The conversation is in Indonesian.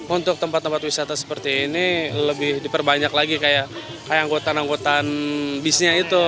untuk tempat tempat wisata seperti ini lebih diperbanyak lagi kayak anggota anggotan bisnisnya itu